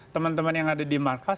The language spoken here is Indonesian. teman teman yang ada di markas